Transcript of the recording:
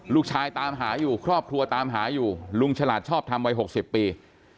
ตามหาอยู่ครอบครัวตามหาอยู่ลุงฉลาดชอบทำวัย๖๐ปี